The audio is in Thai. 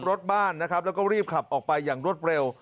รถบ้านนะครับแล้วก็รีบขับออกไปอย่างรวดเร็ว